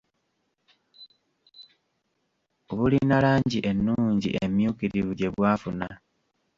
Bulina langi ennungi emmyukirivu gye bwafuna.